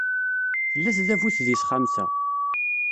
Tella tdabut deg texxamt-a.